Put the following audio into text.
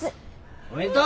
おめでとう！